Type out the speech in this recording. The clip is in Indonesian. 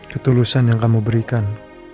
ketulusan yang kamu berikan